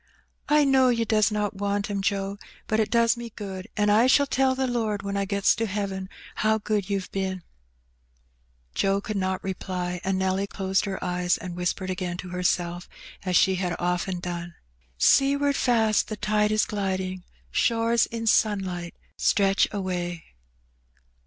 " I know yer does not want 'em, Joe ; but it does me good, an' I shall tell the Lord when I gets to heaven how good you've been." Fading Away. 125 Joe conld not replj, and Nelly closed her eyes, and whis pered Again to herself, as she had otlen done —'■ Seaward kst the tide ia gliding. Shores in sunlight stretch away."